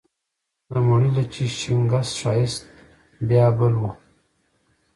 د موڼي، لچي، شینګس ښایست بیا بل و